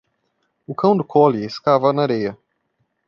O cão do Collie escava na areia.